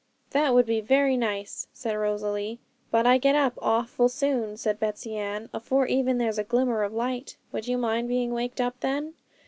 'That would be very nice!' said Rosalie. 'But I get up awful soon,' said Betsey Ann, 'afore ever there's a glimmer of light; would you mind being waked up then?'